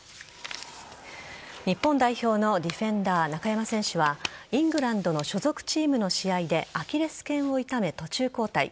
日本代表のディフェンダー中山選手はイングランドの所属チームの試合でアキレス腱を痛め、途中交代。